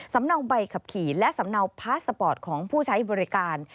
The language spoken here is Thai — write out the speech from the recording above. เนาใบขับขี่และสำเนาพาสปอร์ตของผู้ใช้บริการ